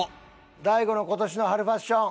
大悟の今年の春ファッション